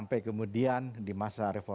jatuh dan bangkit lagi